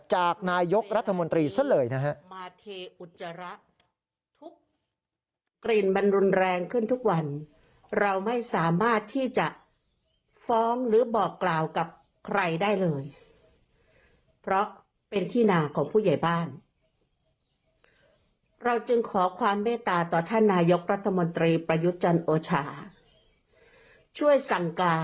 จากนายกรัฐมนตรีซะเลยนะฮะ